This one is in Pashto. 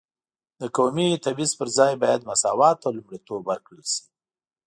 د قومي تبعیض پر ځای باید مساوات ته لومړیتوب ورکړل شي.